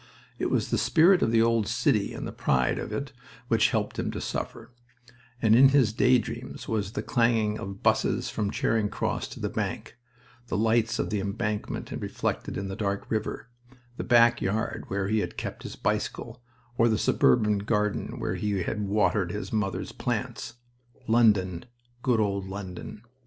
It was the spirit of the old city and the pride of it which helped him to suffer, and in his daydreams was the clanging of 'buses from Charing Cross to the Bank, the lights of the embankment reflected in the dark river, the back yard where he had kept his bicycle, or the suburban garden where he had watered his mother's plants... London! Good old London!...